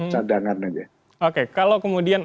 cadangan aja oke kalau kemudian